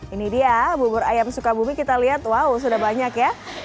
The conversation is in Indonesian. ini dia bubur ayam sukabumi kita lihat wow sudah banyak ya